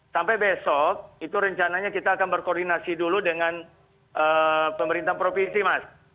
sampai besok itu rencananya kita akan berkoordinasi dulu dengan pemerintah provinsi mas